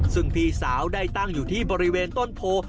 ซึ่งพี่สาวได้ตั้งอยู่ที่บริเวณต้นโพ